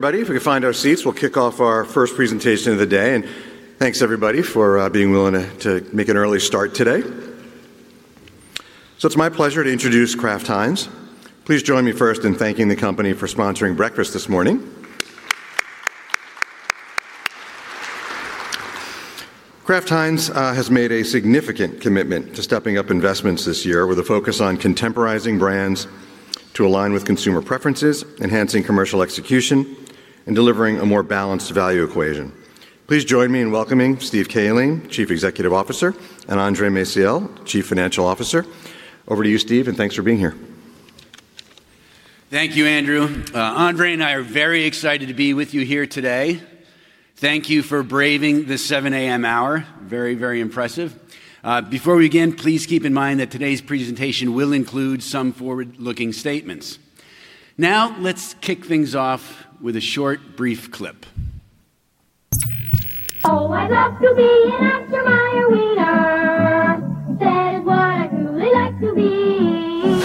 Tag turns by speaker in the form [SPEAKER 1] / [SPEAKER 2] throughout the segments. [SPEAKER 1] Everybody, if we could find our seats, we'll kick off our first presentation of the day, and thanks, everybody, for being willing to make an early start today. It's my pleasure to introduce Kraft Heinz. Please join me first in thanking the company for sponsoring breakfast this morning. Kraft Heinz has made a significant commitment to stepping up investments this year with a focus on contemporizing brands to align with consumer preferences, enhancing commercial execution, and delivering a more balanced value equation. Please join me in welcoming Steve Cahillane, Chief Executive Officer, and Andre Maciel, Chief Financial Officer. Over to you, Steve, and thanks for being here.
[SPEAKER 2] Thank you, Andrew. Andre and I are very excited to be with you here today. Thank you for braving the 7 A.M. hour. Very, very impressive. Before we begin, please keep in mind that today's presentation will include some forward-looking statements. Now, let's kick things off with a short, brief clip.
[SPEAKER 3] Oh, I love to be an Oscar Mayer wiener! That is what I really like to be.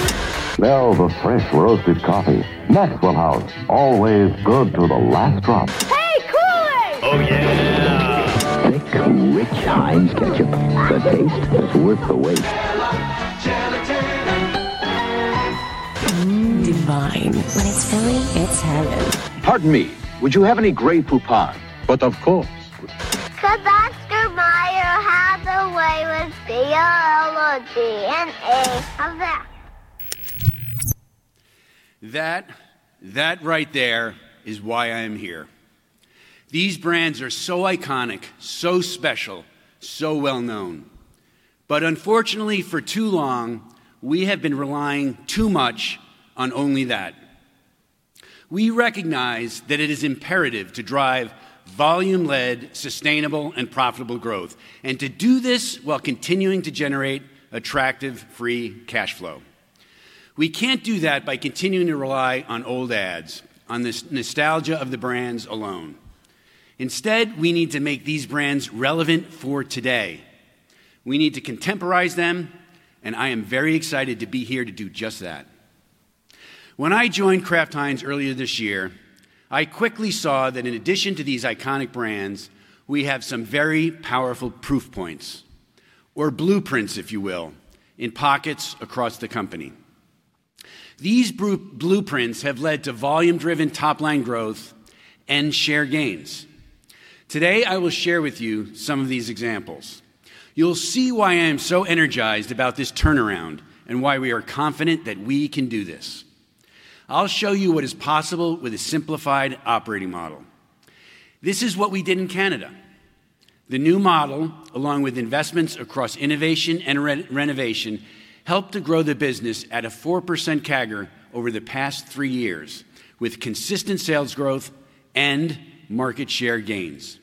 [SPEAKER 3] Smell the fresh roasted coffee. Maxwell House, always good to the last drop.
[SPEAKER 4] Hey, Kool-Aid!
[SPEAKER 3] Oh, yeah. Thick, rich Heinz Ketchup. The taste is worth the wait.
[SPEAKER 4] Jell-O, Gelatin.
[SPEAKER 3] Mmm, divine.
[SPEAKER 4] When it's Philly, it's Hero.
[SPEAKER 3] Pardon me, would you have any Grey Poupon? But of course.
[SPEAKER 5] 'Cause Oscar Mayer has a way with biology... How's that?
[SPEAKER 2] That, that right there is why I am here. These brands are so iconic, so special, so well known, but unfortunately, for too long, we have been relying too much on only that. We recognize that it is imperative to drive volume-led, sustainable, and profitable growth, and to do this while continuing to generate attractive free cash flow. We can't do that by continuing to rely on old ads, on this nostalgia of the brands alone. Instead, we need to make these brands relevant for today. We need to contemporize them, and I am very excited to be here to do just that. When I joined Kraft Heinz earlier this year, I quickly saw that in addition to these iconic brands, we have some very powerful proof points or blueprints, if you will, in pockets across the company. These blueprints have led to volume-driven top-line growth and share gains. Today, I will share with you some of these examples. You'll see why I am so energized about this turnaround and why we are confident that we can do this. I'll show you what is possible with a simplified operating model. This is what we did in Canada. The new model, along with investments across innovation and renovation, helped to grow the business at a 4% CAGR over the past three years, with consistent sales growth and market share gains.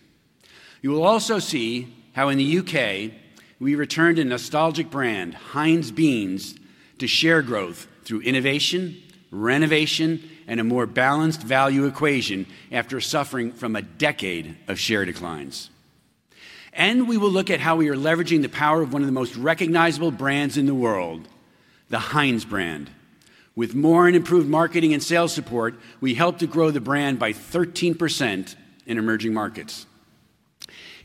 [SPEAKER 2] You will also see how in the U.K., we returned a nostalgic brand, Heinz Beanz, to share growth through innovation, renovation, and a more balanced value equation after suffering from a decade of share declines. We will look at how we are leveraging the power of one of the most recognizable brands in the world, the Heinz brand. With more and improved marketing and sales support, we helped to grow the brand by 13% in emerging markets.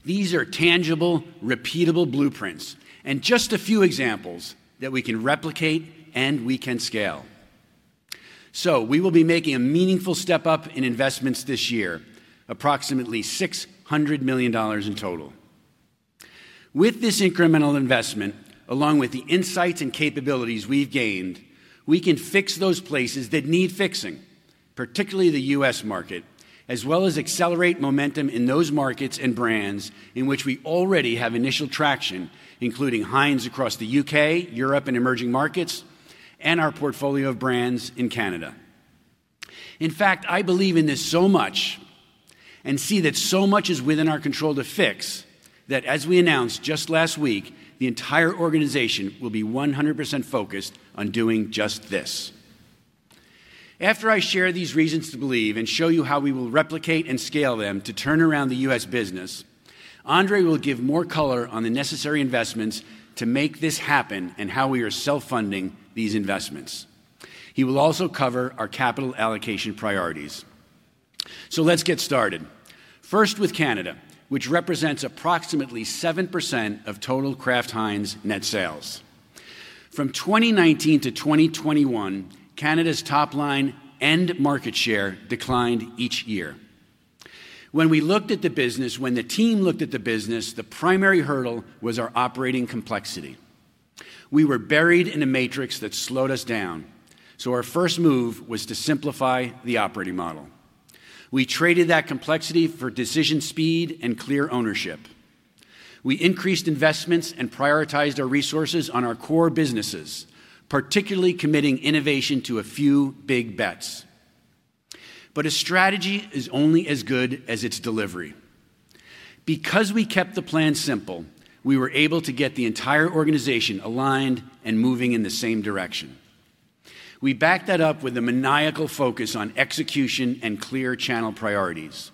[SPEAKER 2] These are tangible, repeatable blueprints and just a few examples that we can replicate and we can scale. So we will be making a meaningful step up in investments this year, approximately $600 million in total. With this incremental investment, along with the insights and capabilities we've gained, we can fix those places that need fixing, particularly the U.S. market, as well as accelerate momentum in those markets and brands in which we already have initial traction, including Heinz across the U.K., Europe and emerging markets, and our portfolio of brands in Canada. In fact, I believe in this so much and see that so much is within our control to fix, that as we announced just last week, the entire organization will be 100% focused on doing just this. After I share these reasons to believe and show you how we will replicate and scale them to turn around the U.S. business, Andre will give more color on the necessary investments to make this happen and how we are self-funding these investments. He will also cover our capital allocation priorities. Let's get started. First, with Canada, which represents approximately 7% of total Kraft Heinz net sales. From 2019 to 2021, Canada's top line and market share declined each year. When we looked at the business, when the team looked at the business, the primary hurdle was our operating complexity. We were buried in a matrix that slowed us down, so our first move was to simplify the operating model. We traded that complexity for decision speed and clear ownership. We increased investments and prioritized our resources on our core businesses, particularly committing innovation to a few big bets. But a strategy is only as good as its delivery. Because we kept the plan simple, we were able to get the entire organization aligned and moving in the same direction. We backed that up with a maniacal focus on execution and clear channel priorities.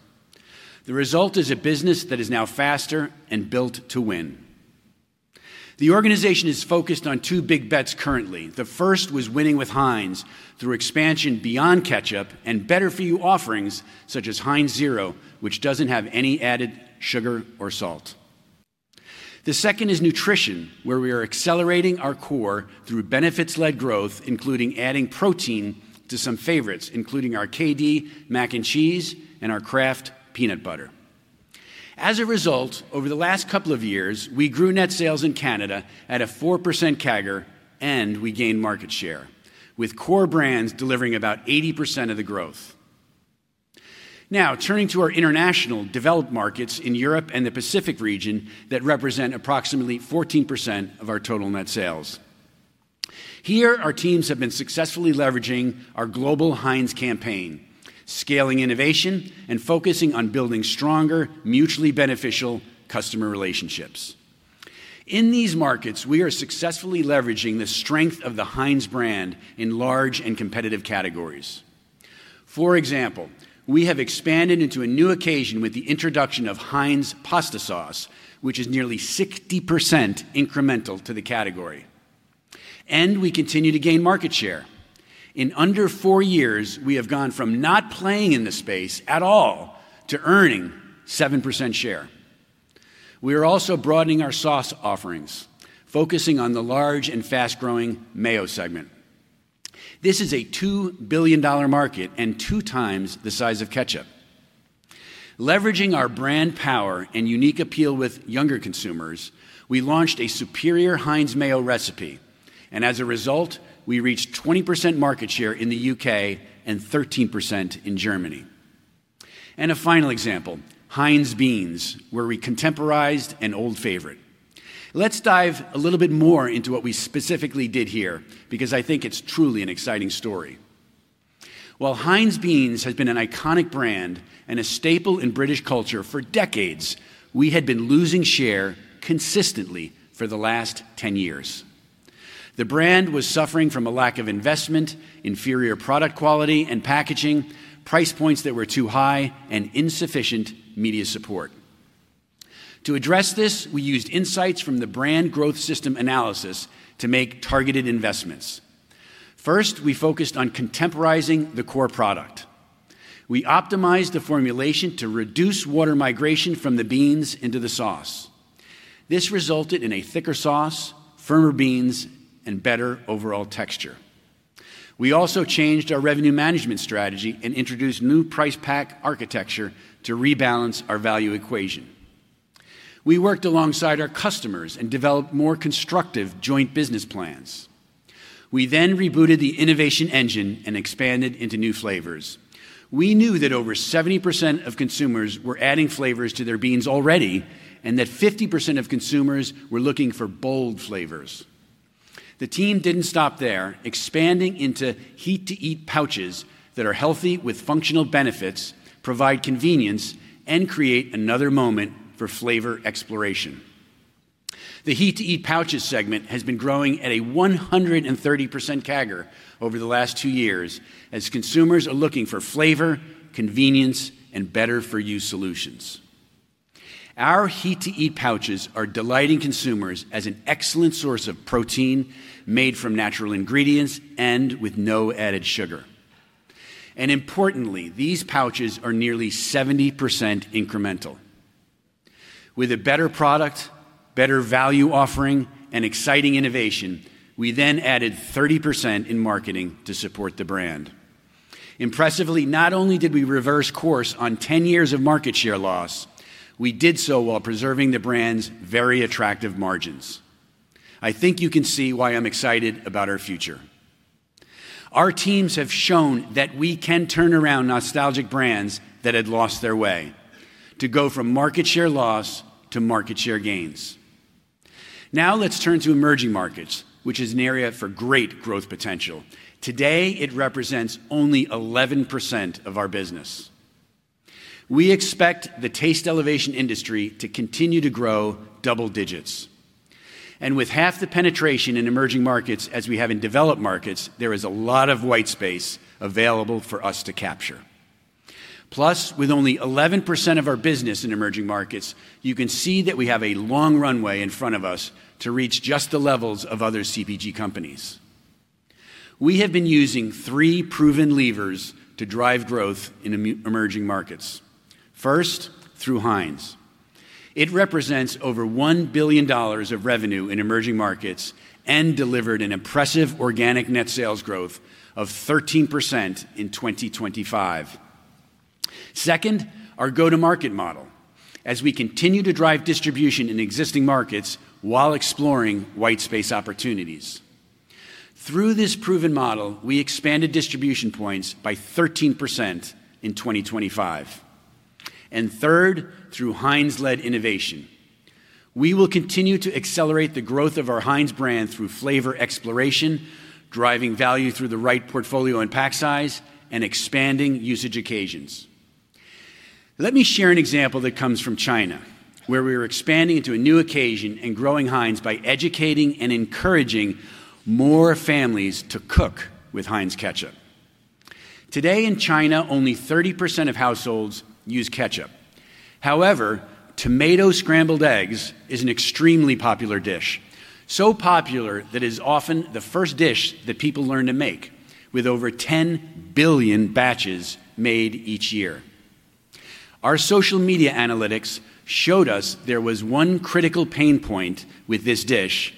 [SPEAKER 2] The result is a business that is now faster and built to win. The organization is focused on two big bets currently. The first was winning with Heinz through expansion beyond ketchup and better-for-you offerings, such as Heinz Zero, which doesn't have any added sugar or salt. The second is nutrition, where we are accelerating our core through benefits-led growth, including adding protein to some favorites, including our KD Mac and Cheese and our Kraft Peanut Butter. As a result, over the last couple of years, we grew net sales in Canada at a 4% CAGR, and we gained market share, with core brands delivering about 80% of the growth. Now, turning to our international developed markets in Europe and the Pacific region that represent approximately 14% of our total net sales. Here, our teams have been successfully leveraging our global Heinz campaign, scaling innovation, and focusing on building stronger, mutually beneficial customer relationships. In these markets, we are successfully leveraging the strength of the Heinz brand in large and competitive categories. For example, we have expanded into a new occasion with the introduction of Heinz Pasta Sauce, which is nearly 60% incremental to the category, and we continue to gain market share. In under four years, we have gone from not playing in the space at all to earning 7% share. We are also broadening our sauce offerings, focusing on the large and fast-growing mayo segment. This is a $2 billion market and 2x the size of ketchup. Leveraging our brand power and unique appeal with younger consumers, we launched a superior Heinz Mayo recipe, and as a result, we reached 20% market share in the U.K. and 13% in Germany. And a final example, Heinz Beanz, where we contemporized an old favorite. Let's dive a little bit more into what we specifically did here, because I think it's truly an exciting story. While Heinz Beanz has been an iconic brand and a staple in British culture for decades, we had been losing share consistently for the last 10 years. The brand was suffering from a lack of investment, inferior product quality and packaging, price points that were too high, and insufficient media support. To address this, we used insights from the brand growth system analysis to make targeted investments. First, we focused on contemporizing the core product. We optimized the formulation to reduce water migration from the beans into the sauce. This resulted in a thicker sauce, firmer beans, and better overall texture. We also changed our revenue management strategy and introduced new price pack architecture to rebalance our value equation. We worked alongside our customers and developed more constructive joint business plans. We then rebooted the innovation engine and expanded into new flavors. We knew that over 70% of consumers were adding flavors to their beans already and that 50% of consumers were looking for bold flavors. The team didn't stop there, expanding into heat-to-eat pouches that are healthy with functional benefits, provide convenience, and create another moment for flavor exploration. The heat-to-eat pouches segment has been growing at a 130% CAGR over the last two years as consumers are looking for flavor, convenience, and better-for-you solutions. Our heat-to-eat pouches are delighting consumers as an excellent source of protein made from natural ingredients and with no added sugar. And importantly, these pouches are nearly 70% incremental. With a better product, better value offering, and exciting innovation, we then added 30% in marketing to support the brand. Impressively, not only did we reverse course on 10 years of market share loss, we did so while preserving the brand's very attractive margins. I think you can see why I'm excited about our future. Our teams have shown that we can turn around nostalgic brands that had lost their way to go from market share loss to market share gains. Now let's turn to emerging markets, which is an area for great growth potential. Today, it represents only 11% of our business. We expect the Taste Elevation industry to continue to grow double digits, and with half the penetration in emerging markets as we have in developed markets, there is a lot of white space available for us to capture. Plus, with only 11% of our business in emerging markets, you can see that we have a long runway in front of us to reach just the levels of other CPG companies. We have been using three proven levers to drive growth in emerging markets. First, through Heinz. It represents over $1 billion of revenue in emerging markets and delivered an impressive organic net sales growth of 13% in 2025. Second, our go-to-market model, as we continue to drive distribution in existing markets while exploring white space opportunities. Through this proven model, we expanded distribution points by 13% in 2025. And third, through Heinz-led innovation. We will continue to accelerate the growth of our Heinz brand through flavor exploration, driving value through the right portfolio and pack size, and expanding usage occasions. Let me share an example that comes from China, where we are expanding into a new occasion and growing Heinz by educating and encouraging more families to cook with Heinz Ketchup. Today in China, only 30% of households use ketchup. However, tomato scrambled eggs is an extremely popular dish. So popular that it is often the first dish that people learn to make, with over 10 billion batches made each year. Our social media analytics showed us there was one critical pain point with this dish.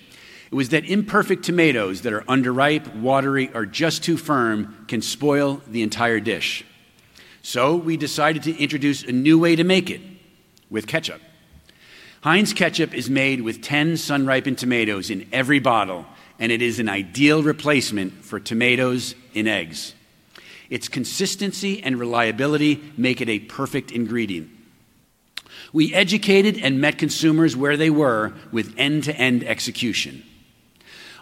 [SPEAKER 2] It was that imperfect tomatoes that are underripe, watery, or just too firm can spoil the entire dish. So we decided to introduce a new way to make it, with ketchup. Heinz Ketchup is made with 10 sun-ripened tomatoes in every bottle, and it is an ideal replacement for tomatoes in eggs. Its consistency and reliability make it a perfect ingredient. We educated and met consumers where they were with end-to-end execution.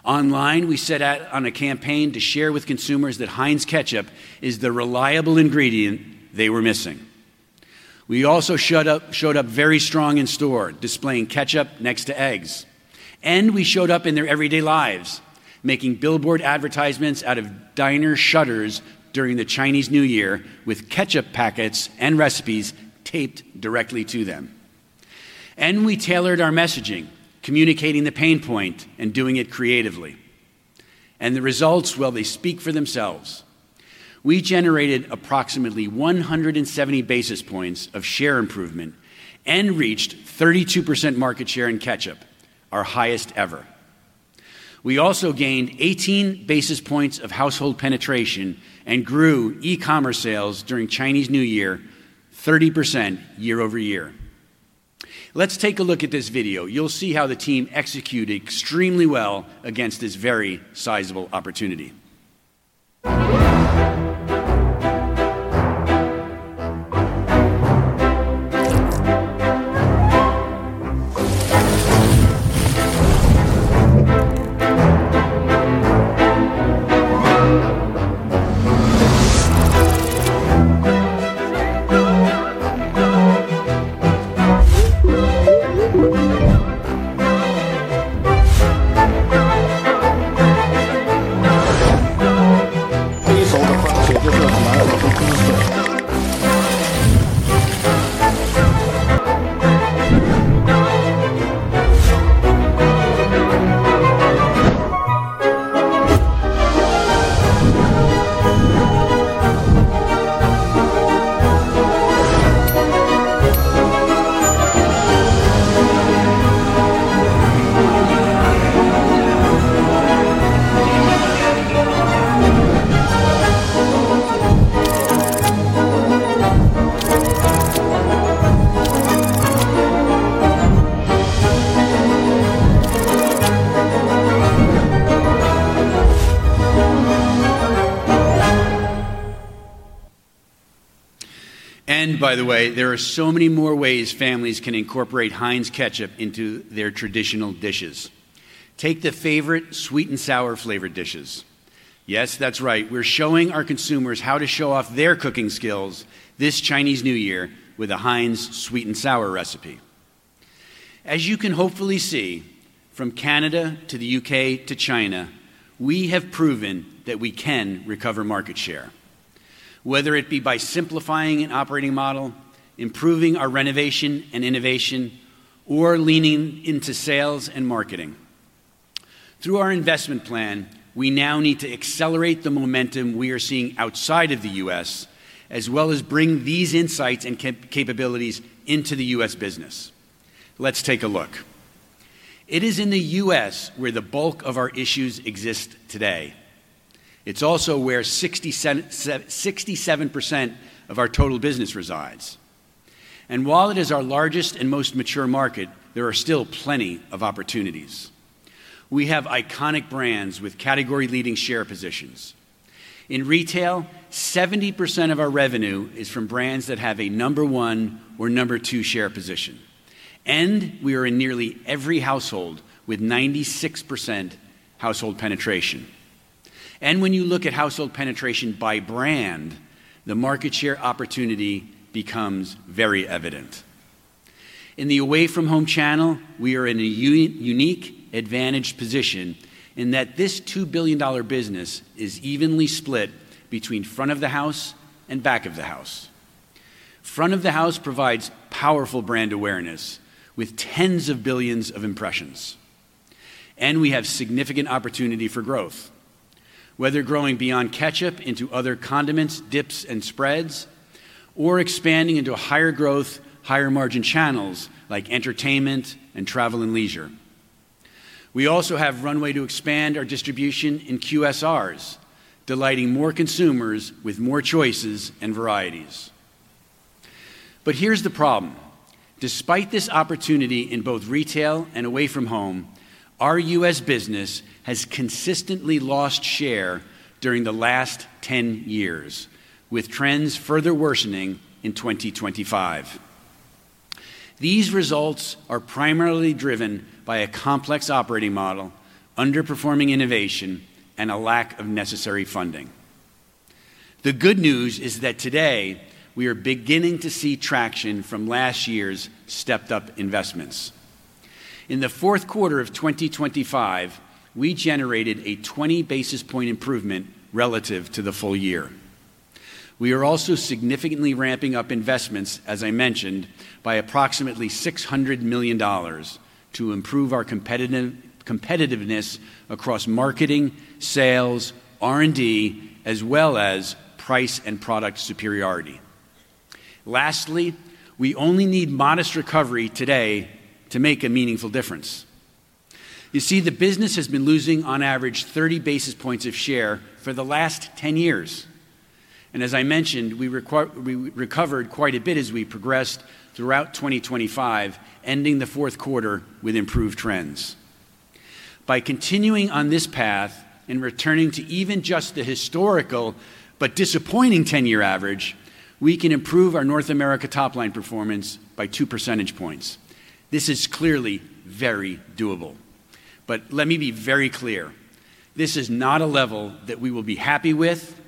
[SPEAKER 2] Online, we set out on a campaign to share with consumers that Heinz Ketchup is the reliable ingredient they were missing. We also showed up very strong in store, displaying ketchup next to eggs, and we showed up in their everyday lives, making billboard advertisements out of diner shutters during the Chinese New Year with ketchup packets and recipes taped directly to them. We tailored our messaging, communicating the pain point and doing it creatively. The results, well, they speak for themselves. We generated approximately 170 basis points of share improvement and reached 32% market share in ketchup, our highest ever. We also gained 18 basis points of household penetration and grew e-commerce sales during Chinese New Year, 30% year-over-year. Let's take a look at this video. You'll see how the team executed extremely well against this very sizable opportunity. And by the way, there are so many more ways families can incorporate Heinz Ketchup into their traditional dishes. Take the favorite sweet and sour flavored dishes. Yes, that's right. We're showing our consumers how to show off their cooking skills this Chinese New Year with a Heinz sweet and sour recipe. As you can hopefully see, from Canada to the U.K. to China, we have proven that we can recover market share, whether it be by simplifying an operating model, improving our renovation and innovation, or leaning into sales and marketing. Through our investment plan, we now need to accelerate the momentum we are seeing outside of the U.S., as well as bring these insights and capabilities into the U.S. business. Let's take a look. It is in the U.S. where the bulk of our issues exist today. It's also where 67% of our total business resides. While it is our largest and most mature market, there are still plenty of opportunities. We have iconic brands with category-leading share positions. In retail, 70% of our revenue is from brands that have a number one or number two share position, and we are in nearly every household with 96% household penetration. When you look at household penetration by brand, the market share opportunity becomes very evident. In the away from home channel, we are in a unique advantaged position in that this $2 billion business is evenly split between front of the house and back of the house. Front of the house provides powerful brand awareness with tens of billions of impressions, and we have significant opportunity for growth, whether growing beyond ketchup into other condiments, dips, and spreads, or expanding into higher growth, higher margin channels like entertainment and travel and leisure. We also have runway to expand our distribution in QSRs, delighting more consumers with more choices and varieties. But here's the problem: Despite this opportunity in both retail and away from home, our U.S. business has consistently lost share during the last 10 years, with trends further worsening in 2025. These results are primarily driven by a complex operating model, underperforming innovation, and a lack of necessary funding. The good news is that today, we are beginning to see traction from last year's stepped up investments.... In the fourth quarter of 2025, we generated a 20 basis point improvement relative to the full year. We are also significantly ramping up investments, as I mentioned, by approximately $600 million to improve our competitive, competitiveness across marketing, sales, R&D, as well as price and product superiority. Lastly, we only need modest recovery today to make a meaningful difference. You see, the business has been losing on average 30 basis points of share for the last 10 years, and as I mentioned, we recovered quite a bit as we progressed throughout 2025, ending the fourth quarter with improved trends. By continuing on this path and returning to even just the historical but disappointing 10-year average, we can improve our North America top-line performance by 2 percentage points. This is clearly very doable. But let me be very clear, this is not a level that we will be happy with,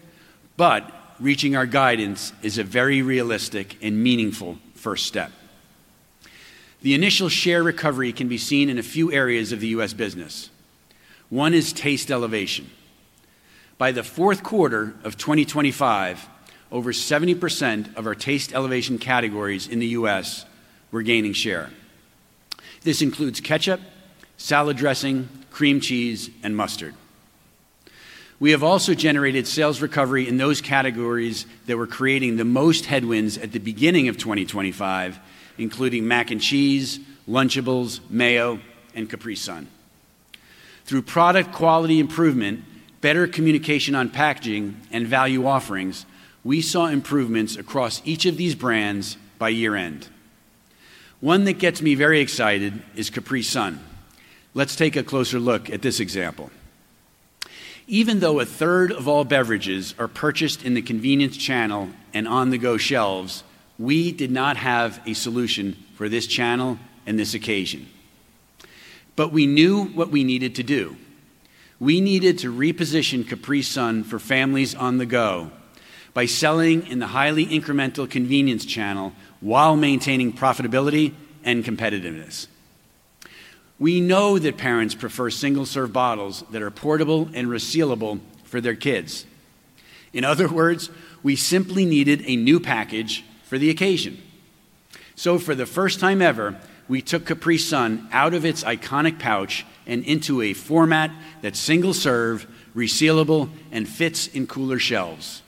[SPEAKER 2] but reaching our guidance is a very realistic and meaningful first step. The initial share recovery can be seen in a few areas of the U.S. business. One is Taste Elevation. By the fourth quarter of 2025, over 70% of our Taste Elevation categories in the U.S. were gaining share. This includes ketchup, salad dressing, cream cheese, and mustard. We have also generated sales recovery in those categories that were creating the most headwinds at the beginning of 2025, including mac and cheese, Lunchables, mayo, and Capri Sun. Through product quality improvement, better communication on packaging, and value offerings, we saw improvements across each of these brands by year-end. One that gets me very excited is Capri Sun. Let's take a closer look at this example. Even though a third of all beverages are purchased in the convenience channel and on-the-go shelves, we did not have a solution for this channel and this occasion. But we knew what we needed to do. We needed to reposition Capri Sun for families on the go by selling in the highly incremental convenience channel while maintaining profitability and competitiveness. We know that parents prefer single-serve bottles that are portable and resealable for their kids. In other words, we simply needed a new package for the occasion. So for the first time ever, we took Capri Sun out of its iconic pouch and into a format that's single-serve, resealable, and fits in cooler shelves.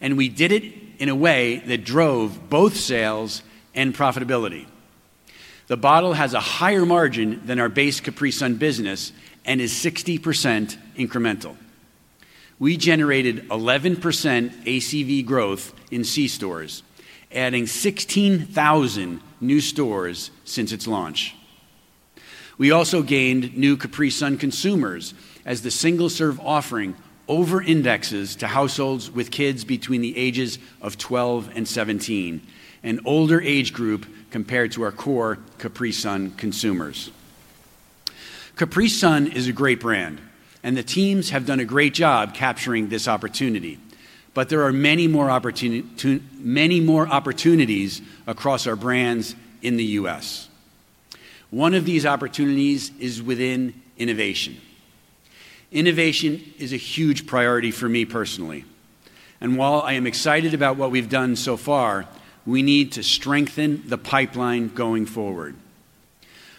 [SPEAKER 2] And we did it in a way that drove both sales and profitability. The bottle has a higher margin than our base Capri Sun business and is 60% incremental. We generated 11% ACV growth in c-stores, adding 16,000 new stores since its launch. We also gained new Capri Sun consumers as the single-serve offering over-indexes to households with kids between the ages of 12 and 17, an older age group compared to our core Capri Sun consumers. Capri Sun is a great brand, and the teams have done a great job capturing this opportunity, but there are many more opportunities across our brands in the U.S. One of these opportunities is within innovation. Innovation is a huge priority for me personally, and while I am excited about what we've done so far, we need to strengthen the pipeline going forward.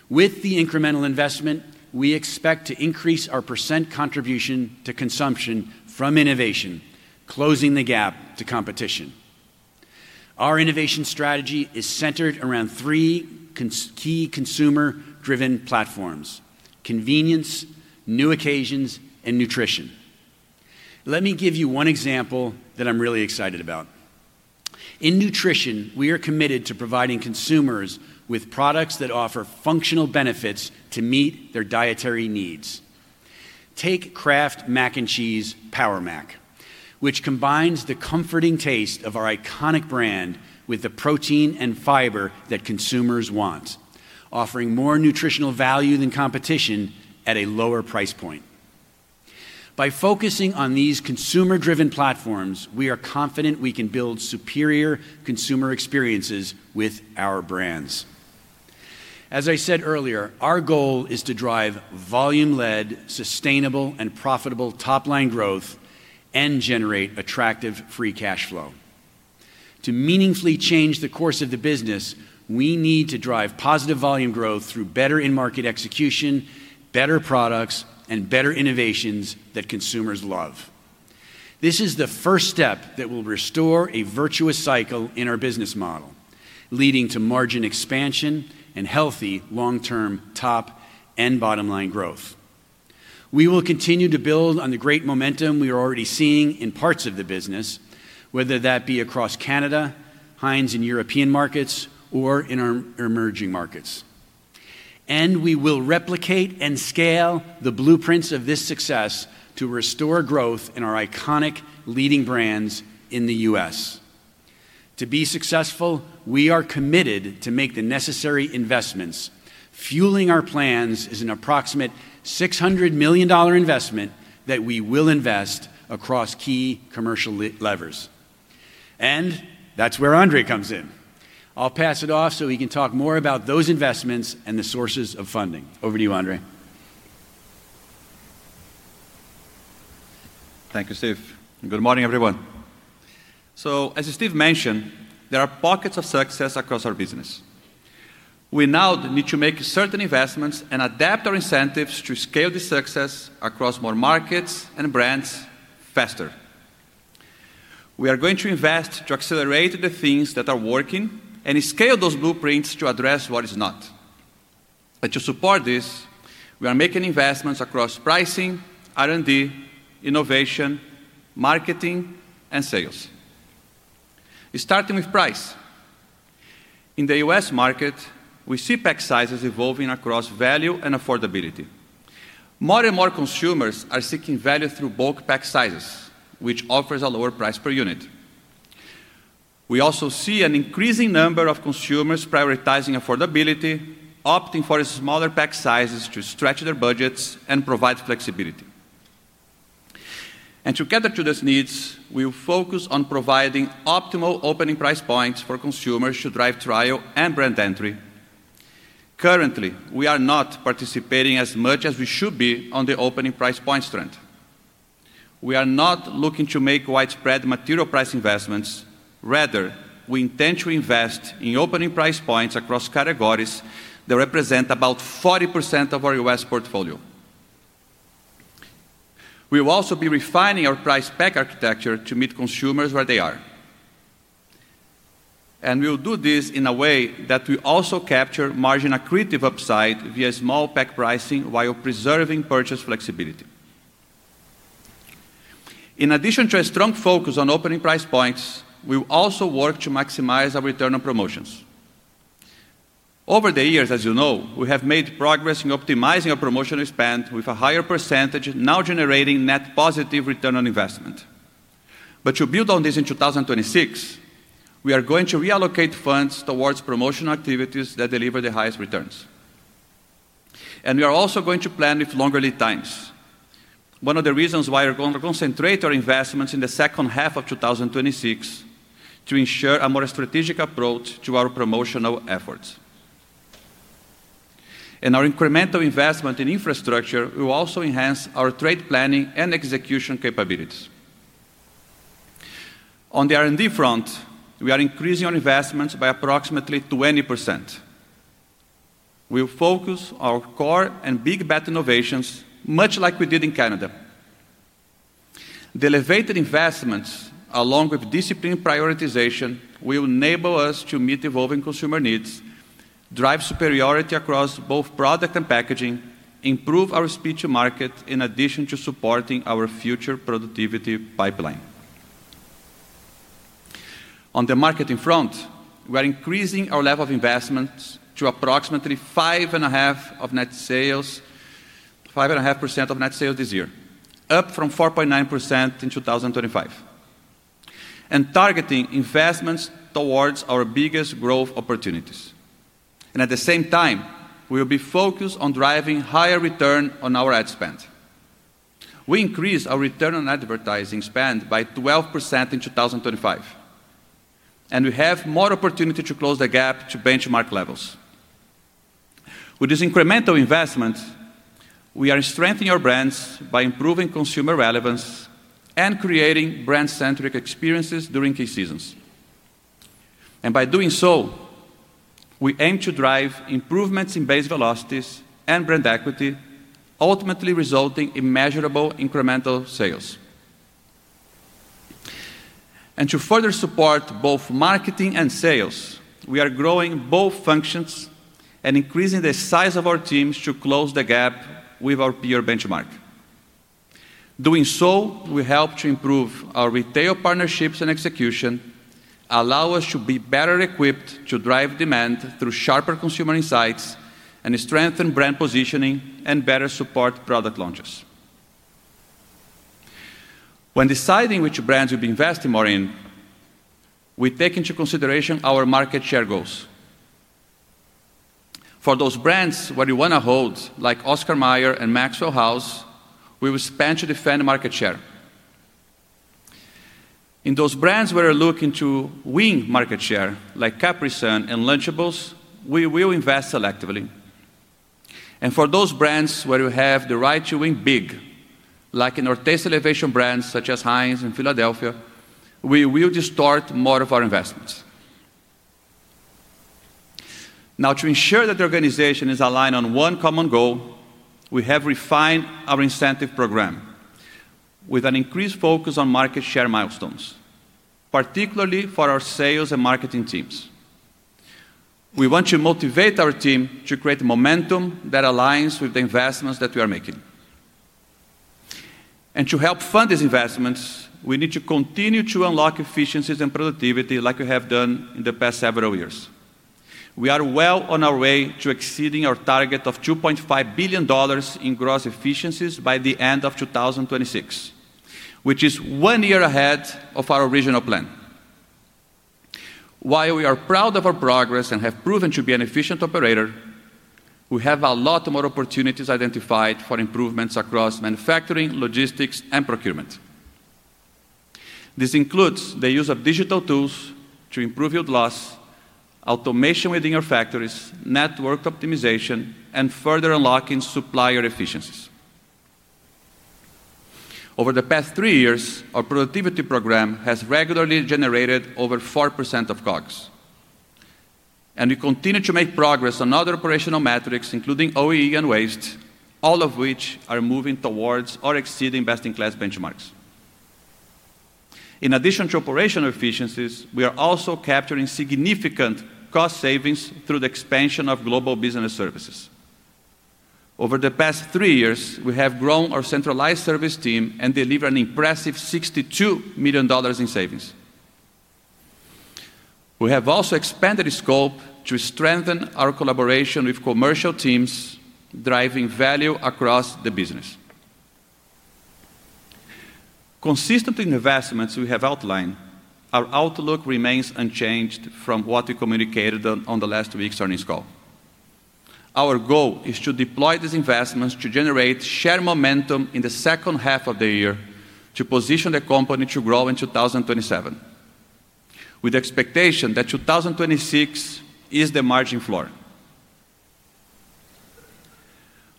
[SPEAKER 2] With the incremental investment, we expect to increase our percent contribution to consumption from innovation, closing the gap to competition. Our innovation strategy is centered around three key consumer-driven platforms: convenience, new occasions, and nutrition. Let me give you one example that I'm really excited about. In nutrition, we are committed to providing consumers with products that offer functional benefits to meet their dietary needs. Take Kraft Mac and Cheese Power Mac, which combines the comforting taste of our iconic brand with the protein and fiber that consumers want, offering more nutritional value than competition at a lower price point. By focusing on these consumer-driven platforms, we are confident we can build superior consumer experiences with our brands. As I said earlier, our goal is to drive volume-led, sustainable, and profitable top-line growth and generate attractive free cash flow. To meaningfully change the course of the business, we need to drive positive volume growth through better in-market execution, better products, and better innovations that consumers love. This is the first step that will restore a virtuous cycle in our business model, leading to margin expansion and healthy long-term top and bottom-line growth. We will continue to build on the great momentum we are already seeing in parts of the business, whether that be across Canada, Heinz and European markets, or in our emerging markets. We will replicate and scale the blueprints of this success to restore growth in our iconic leading brands in the U.S. To be successful, we are committed to make the necessary investments. Fueling our plans is an approximate $600 million investment that we will invest across key commercial levers. And that's where Andre comes in. I'll pass it off so he can talk more about those investments and the sources of funding. Over to you, Andre.
[SPEAKER 6] Thank you, Steve, and good morning, everyone. So as Steve mentioned, there are pockets of success across our business. We now need to make certain investments and adapt our incentives to scale the success across more markets and brands faster. We are going to invest to accelerate the things that are working and scale those blueprints to address what is not. And to support this, we are making investments across pricing, R&D, innovation, marketing, and sales. Starting with price. In the U.S. market, we see pack sizes evolving across value and affordability. More and more consumers are seeking value through bulk pack sizes, which offers a lower price per unit. We also see an increasing number of consumers prioritizing affordability, opting for smaller pack sizes to stretch their budgets and provide flexibility. To cater to these needs, we will focus on providing optimal opening price points for consumers to drive trial and brand entry. Currently, we are not participating as much as we should be on the opening price points trend. We are not looking to make widespread material price investments. Rather, we intend to invest in opening price points across categories that represent about 40% of our U.S. portfolio. We will also be refining our price pack architecture to meet consumers where they are. We will do this in a way that will also capture margin accretive upside via small pack pricing while preserving purchase flexibility. In addition to a strong focus on opening price points, we will also work to maximize our return on promotions. Over the years, as you know, we have made progress in optimizing our promotional spend with a higher percentage now generating net positive return on investment. To build on this in 2026, we are going to reallocate funds towards promotional activities that deliver the highest returns. We are also going to plan with longer lead times. One of the reasons why we're going to concentrate our investments in the second half of 2026 to ensure a more strategic approach to our promotional efforts. Our incremental investment in infrastructure will also enhance our trade planning and execution capabilities. On the R&D front, we are increasing our investments by approximately 20%. We will focus our core and big bet innovations, much like we did in Canada. The elevated investments, along with disciplined prioritization, will enable us to meet evolving consumer needs, drive superiority across both product and packaging, improve our speed to market, in addition to supporting our future productivity pipeline. On the marketing front, we are increasing our level of investments to approximately 5.5 of net sales, 5.5% of net sales this year, up from 4.9% in 2025, and targeting investments towards our biggest growth opportunities. At the same time, we will be focused on driving higher return on our ad spend. We increased our return on advertising spend by 12% in 2025, and we have more opportunity to close the gap to benchmark levels. With this incremental investment, we are strengthening our brands by improving consumer relevance and creating brand-centric experiences during key seasons. By doing so, we aim to drive improvements in base velocities and brand equity, ultimately resulting in measurable incremental sales. To further support both marketing and sales, we are growing both functions and increasing the size of our teams to close the gap with our peer benchmark. Doing so will help to improve our retail partnerships and execution, allow us to be better equipped to drive demand through sharper consumer insights, and strengthen brand positioning and better support product launches. When deciding which brands we'll be investing more in, we take into consideration our market share goals. For those brands where we want to hold, like Oscar Mayer and Maxwell House, we will spend to defend market share. In those brands where we're looking to win market share, like Capri Sun and Lunchables, we will invest selectively. For those brands where we have the right to win big, like in our Taste Elevation brands such as Heinz and Philadelphia, we will distort more of our investments. Now, to ensure that the organization is aligned on one common goal, we have refined our incentive program with an increased focus on market share milestones, particularly for our sales and marketing teams. We want to motivate our team to create momentum that aligns with the investments that we are making. To help fund these investments, we need to continue to unlock efficiencies and productivity like we have done in the past several years. We are well on our way to exceeding our target of $2.5 billion in gross efficiencies by the end of 2026, which is one year ahead of our original plan. While we are proud of our progress and have proven to be an efficient operator, we have a lot more opportunities identified for improvements across manufacturing, logistics, and procurement. This includes the use of digital tools to improve yield loss, automation within our factories, network optimization, and further unlocking supplier efficiencies. Over the past three years, our productivity program has regularly generated over 4% of COGS, and we continue to make progress on other operational metrics, including OEE and waste, all of which are moving towards or exceeding best-in-class benchmarks. In addition to operational efficiencies, we are also capturing significant cost savings through the expansion of Global Business Services. Over the past three years, we have grown our centralized service team and delivered an impressive $62 million in savings. We have also expanded the scope to strengthen our collaboration with commercial teams, driving value across the business. Consistent investments we have outlined, our outlook remains unchanged from what we communicated on the last week's earnings call. Our goal is to deploy these investments to generate share momentum in the second half of the year to position the company to grow in 2027, with the expectation that 2026 is the margin floor.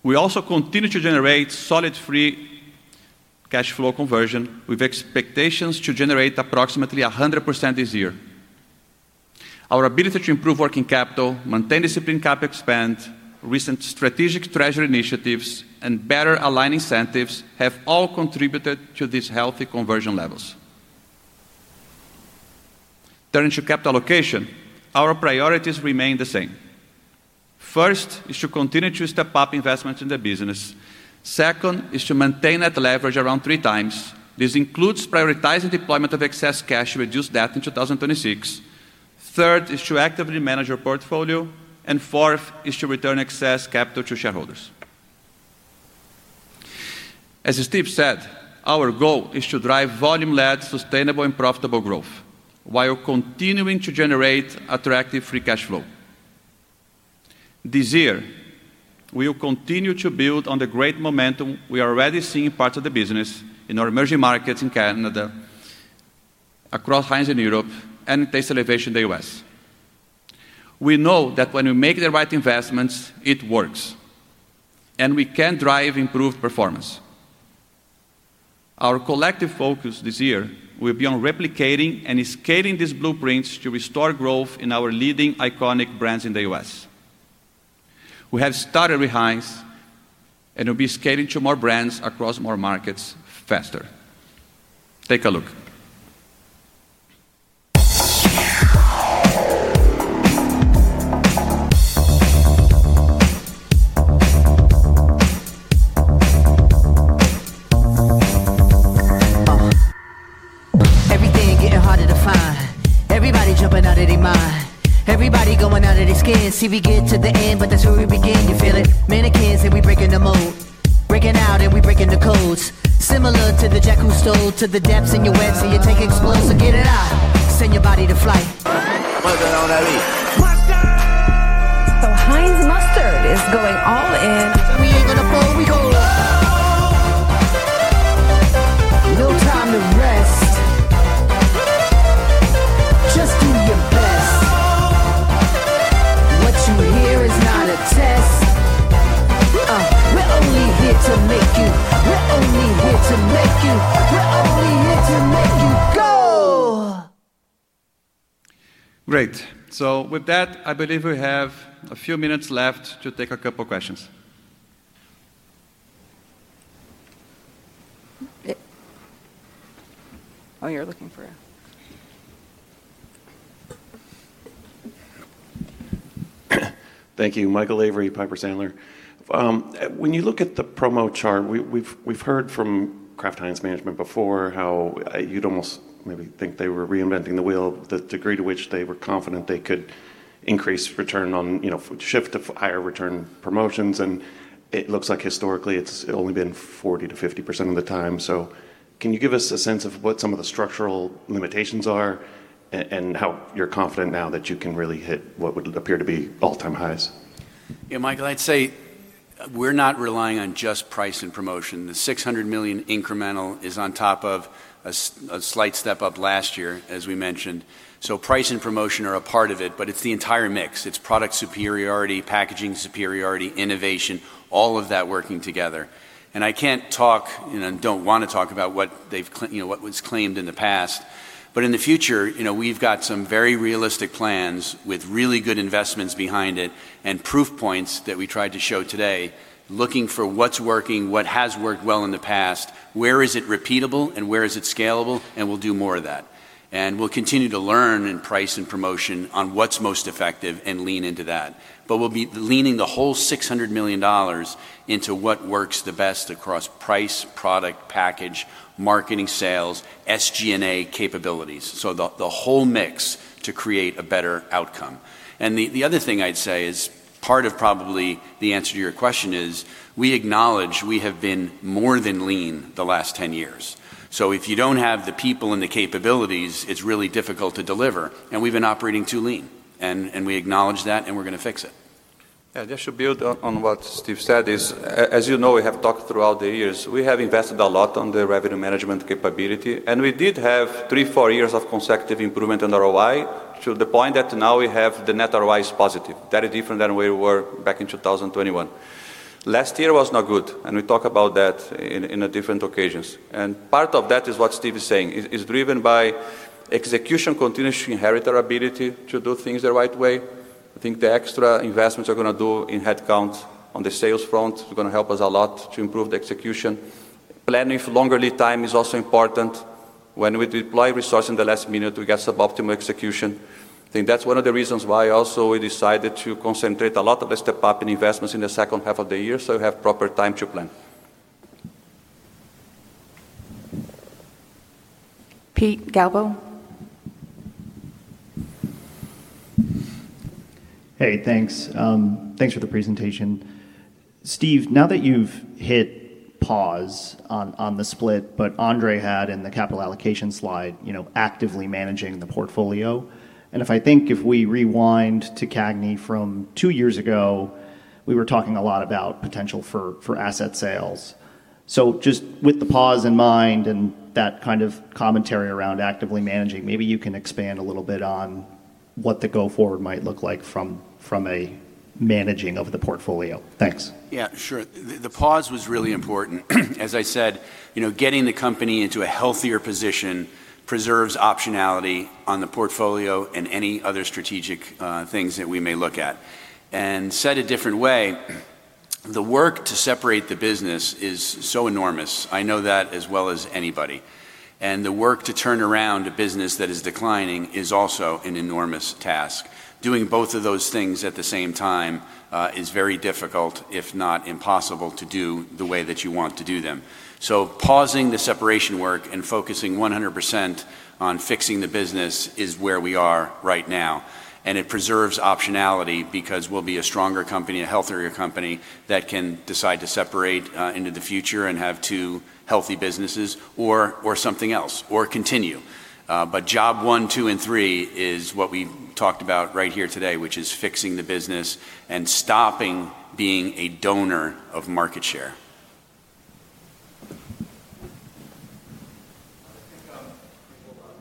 [SPEAKER 6] We also continue to generate solid free cash flow conversion, with expectations to generate approximately 100% this year. Our ability to improve working capital, maintain disciplined cap spend, recent strategic treasury initiatives, and better align incentives have all contributed to these healthy conversion levels. Turning to capital allocation, our priorities remain the same. First is to continue to step up investments in the business. Second is to maintain net leverage around 3x. This includes prioritizing deployment of excess cash to reduce debt in 2026. Third is to actively manage our portfolio, and fourth is to return excess capital to shareholders. As Steve said, our goal is to drive volume-led, sustainable, and profitable growth while continuing to generate attractive free cash flow. This year, we will continue to build on the great momentum we are already seeing in parts of the business, in our emerging markets in Canada, across Heinz in Europe, and Taste Elevation in the U.S. We know that when we make the right investments, it works, and we can drive improved performance. Our collective focus this year will be on replicating and scaling these blueprints to restore growth in our leading iconic brands in the U.S. We have started with Heinz, and we'll be scaling to more brands across more markets faster. Take a look.
[SPEAKER 4] Everything getting harder to find. Everybody jumping out of their mind. Everybody going out of their skin. See, we get to the end, but that's where we begin. You feel it? Mannequins, and we breaking the mold. Breaking out, and we breaking the codes. Similar to the jack who stole to the depths in your web, so you take explosive, get it out. Send your body to flight.
[SPEAKER 3] Mustard on that beat. Mustard! So Heinz Mustard is going all in.
[SPEAKER 4] We ain't gonna fold, we gonna go. No time to rest. Just do your best. What you hear is not a test. We're only here to make you... We're only here to make you... We're only here to make you go!
[SPEAKER 6] Great. With that, I believe we have a few minutes left to take a couple questions.
[SPEAKER 1] Oh, you're looking for a...
[SPEAKER 7] Thank you. Michael Lavery, Piper Sandler. When you look at the promo chart, we've heard from Kraft Heinz management before how you'd almost maybe think they were reinventing the wheel, the degree to which they were confident they could increase return on, you know, shift to higher return promotions, and it looks like historically, it's only been 40%-50% of the time. So can you give us a sense of what some of the structural limitations are and how you're confident now that you can really hit what would appear to be all-time highs?
[SPEAKER 2] Yeah, Michael, I'd say we're not relying on just price and promotion. The $600 million incremental is on top of a slight step up last year, as we mentioned. So price and promotion are a part of it, but it's the entire mix. It's product superiority, packaging superiority, innovation, all of that working together. And I can't talk, you know, and don't wanna talk about what they've claimed, you know, what was claimed in the past. But in the future, you know, we've got some very realistic plans with really good investments behind it and proof points that we tried to show today, looking for what's working, what has worked well in the past, where is it repeatable, and where is it scalable, and we'll do more of that. And we'll continue to learn in price and promotion on what's most effective and lean into that. But we'll be leaning the whole $600 million into what works the best across price, product, package, marketing, sales, SG&A capabilities, so the whole mix to create a better outcome. And the other thing I'd say is, part of probably the answer to your question is, we acknowledge we have been more than lean the last 10 years. So if you don't have the people and the capabilities, it's really difficult to deliver, and we've been operating too lean, and we acknowledge that, and we're gonna fix it. ...
[SPEAKER 6] Yeah, just to build on what Steve said, as you know, we have talked throughout the years. We have invested a lot on the revenue management capability, and we did have three to four years of consecutive improvement in ROI, to the point that now we have the net ROI is positive. That is different than we were back in 2021. Last year was not good, and we talk about that in different occasions. Part of that is what Steve is saying, is driven by execution, continuous to inherit our ability to do things the right way. I think the extra investments we're gonna do in headcount on the sales front is gonna help us a lot to improve the execution. Planning for longer lead time is also important. When we deploy resource in the last minute, we get suboptimal execution. I think that's one of the reasons why also we decided to concentrate a lot of the step-up in investments in the second half of the year, so we have proper time to plan.
[SPEAKER 1] Pete Galbo?
[SPEAKER 8] Hey, thanks. Thanks for the presentation. Steve, now that you've hit pause on the split, but Andre had in the capital allocation slide, you know, actively managing the portfolio, and if I think if we rewind to CAGNY from two years ago, we were talking a lot about potential for asset sales. So just with the pause in mind and that kind of commentary around actively managing, maybe you can expand a little bit on what the go forward might look like from a managing of the portfolio. Thanks.
[SPEAKER 2] Yeah, sure. The, the pause was really important. As I said, you know, getting the company into a healthier position preserves optionality on the portfolio and any other strategic things that we may look at. And said a different way, the work to separate the business is so enormous. I know that as well as anybody, and the work to turn around a business that is declining is also an enormous task. Doing both of those things at the same time is very difficult, if not impossible, to do the way that you want to do them. So pausing the separation work and focusing 100% on fixing the business is where we are right now, and it preserves optionality because we'll be a stronger company, a healthier company, that can decide to separate into the future and have two healthy businesses or something else, or continue. But job one, two, and three is what we talked about right here today, which is fixing the business and stopping being a donor of market share.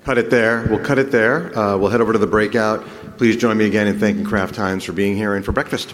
[SPEAKER 1] Cut it there. We'll cut it there. We'll head over to the breakout. Please join me again in thanking Kraft Heinz for being here and for breakfast.